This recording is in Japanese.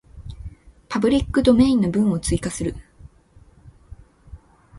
パブリックドメインの文を追加する